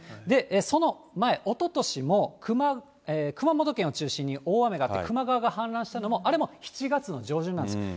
その前、おととしも熊本県を中心に大雨があって、球磨川が氾濫したのも、あれも７月の上旬なんです。